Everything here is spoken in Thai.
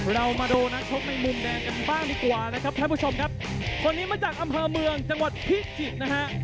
เรามาดูนักชกในมุมแดงกันบ้างดีกว่านะครับท่านผู้ชมครับคนนี้มาจากอำเภอเมืองจังหวัดพิจิตรนะฮะ